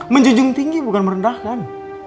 menjunjung tinggi bukan merendahkan